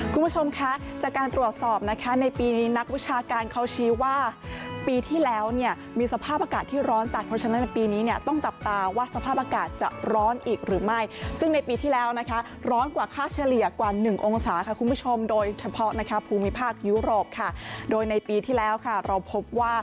คุณผู้ชมคะจากการตรวจสอบนะคะในปีนี้นักวิชาการเขาชี้ว่าปีที่แล้วเนี่ยมีสภาพอากาศที่ร้อนจัดเพราะฉะนั้นในปีนี้เนี่ยต้องจับตาว่าสภาพอากาศจะร้อนอีกหรือไม่ซึ่งในปีที่แล้วนะคะร้อนกว่าค่าเฉลี่ยกว่าหนึ่งองศาค่ะคุณผู้ชมโดยเฉพาะนะคะภูมิภาคยุโรปค่ะโดยในปีที่แล้วค่ะเราพบว่า